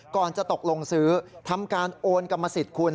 ก่อนจะตกลงซื้อทำการโอนกรรมสิทธิ์คุณ